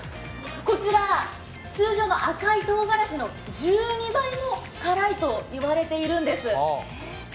こちら、通常の赤いとうがらしの１２倍も辛いといわれているんです。